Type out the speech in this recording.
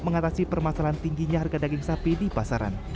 mengatasi permasalahan tingginya harga daging sapi di pasaran